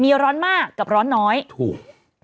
มีร้อนมากกับร้อนน้อยถูก